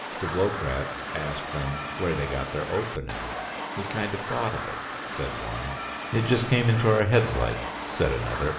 Stavlokratz asked them where they got their opening. "We kind of thought of it," said one. "It just come into our heads like," said another.